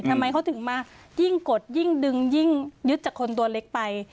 ทำไมเขาถึงมายิ่งกดยิ่งดึงยิ่งยึดจากคนตัวเล็กไป